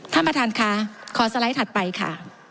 ท่านประธานค่ะขอสไลด์ถัดไปค่ะ